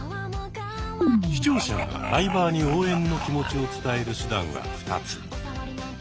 視聴者がライバーに応援の気持ちを伝える手段は２つ。